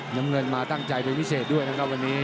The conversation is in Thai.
น้ำเงินมาตั้งใจเป็นพิเศษด้วยนะครับวันนี้